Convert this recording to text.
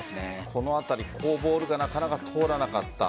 このあたりボールがなかなか通らなかった。